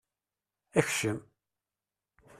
Ekcem!